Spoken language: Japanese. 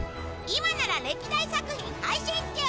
今なら歴代作品配信中！